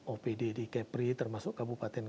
opd di kepri termasuk kabupaten